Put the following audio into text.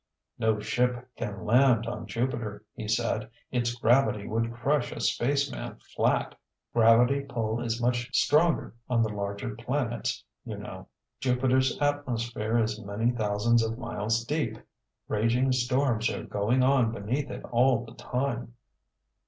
"No ship can land on Jupiter," he said. "Its gravity would crush a spaceman flat. Gravity pull is much stronger on the larger planets, you know. Jupiter's atmosphere is many thousands of miles deep. Raging storms are going on beneath it all the time."